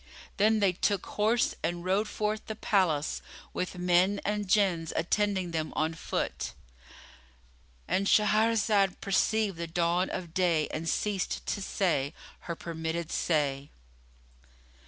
Then they took horse and rode forth the palace, with men and Jinns attending them on foot,——And Shahrazad perceived the dawn of day and ceased to say her permitted say.